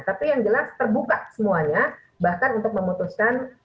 tapi yang jelas terbuka semuanya bahkan untuk memutuskan